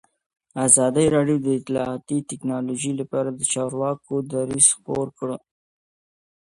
ازادي راډیو د اطلاعاتی تکنالوژي لپاره د چارواکو دریځ خپور کړی.